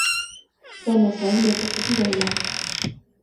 كان سامي يثق بليلى.